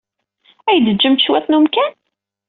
Ad iyi-d-teǧǧemt cwiṭ n umkan?